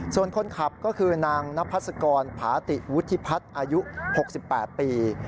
ส่วนคนขับก็คือนางนพัศกรผาติวุฒิพัฒน์อายุ๖๘ปี